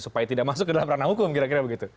supaya tidak masuk ke dalam ranah hukum kira kira begitu